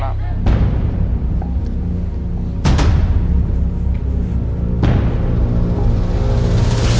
ถูกถูกถูก